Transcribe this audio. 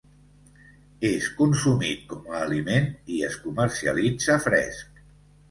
És consumit com a aliment i es comercialitza fresc.